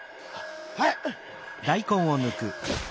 はい！